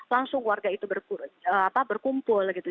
langsung warga itu berkumpul gitu